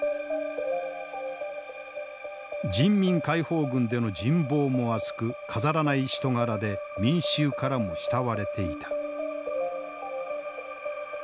人民解放軍での人望も厚く飾らない人柄で民衆からも慕われていた。